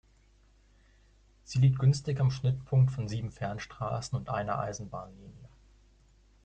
Sie liegt günstig am Schnittpunkt von sieben Fernstraßen und einer Eisenbahnlinie.